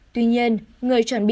tuy nhiên người chuẩn bị